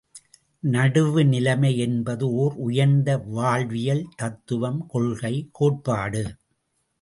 நடுவுநிலை என்பது ஒர் உயர்ந்த வாழ்வியல் தத்துவம் கொள்கை கோட்பாடு!